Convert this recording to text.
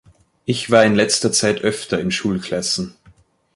Ich war in letzter Zeit öfter in Schulklassen.